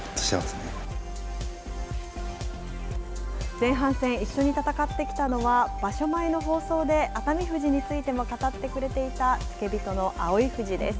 前半戦、一緒に戦ってきたのは、場所前の放送で、熱海富士についても語ってくれていた、付け人の蒼富士です。